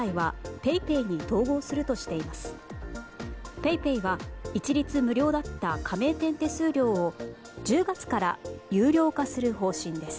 ＰａｙＰａｙは一律無料だった加盟店手数料を１０月から有料化する方針です。